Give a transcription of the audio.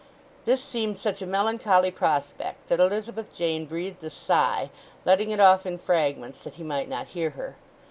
This seemed such a melancholy prospect that Elizabeth Jane breathed a sigh—letting it off in fragments that he might not hear her.